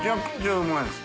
うまいです。